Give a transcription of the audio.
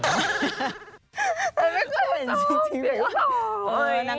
แต่ไม่เคยเห็นจริง